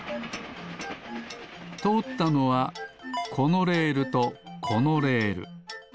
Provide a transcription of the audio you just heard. とおったのはこのレールとこのレール。